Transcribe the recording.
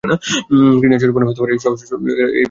কৃষ্ণার ছোট বোন সবসময় এই বাড়িতে ঘুরতে আসে।